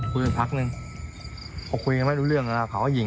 คุยอีกพักนึงเค้าคุยยังไม่รู้เรื่องแล้วนะเค้าก็ยิง